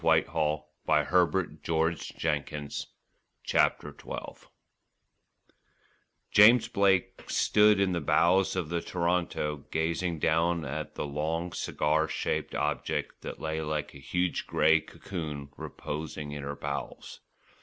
CHAPTER XII THE DESTROYER READY FOR SEA James Blake stood in the bows of the Toronto gazing down at the long, cigar shaped object that lay like a huge grey cocoon reposing in her bowels.